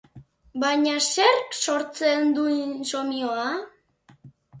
Baina zerk sortzen du insomioa?